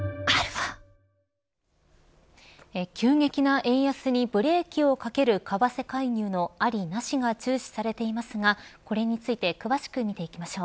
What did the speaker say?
急激な円安にブレーキをかける為替介入のあり、なしが注視されていますがこれについて詳しく見ていきましょう。